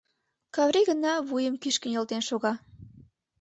Каври гына вуйым кӱшкӧ нӧлтен шога.